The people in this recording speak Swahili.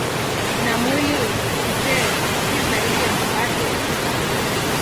Na mwili, je, si zaidi ya mavazi?